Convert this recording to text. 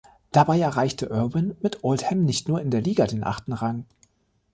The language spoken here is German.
Dabei erreichte Irwin mit Oldham nicht nur in der Liga den achten Rang.